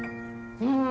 うん。